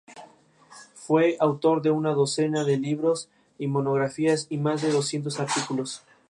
Las municipalidades en Azerbaiyán son los órganos de autogobierno local.